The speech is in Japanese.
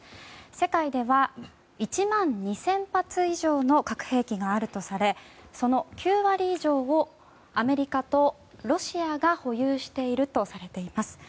世界では１万２０００発以上の核兵器があるとされその９割以上をアメリカとロシアが保有しているとされています。